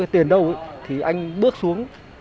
tiền đâu thì anh bước xuống